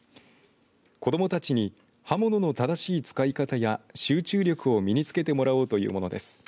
子どもたちに刃物の正しい使い方や集中力を身につけてもらおうというものです。